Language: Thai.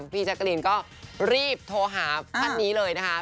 พี่จักรินก็รีบโทรหาพันธุ์นี้เลยนะคะ